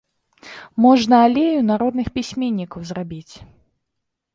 Можна алею народных пісьменнікаў зрабіць.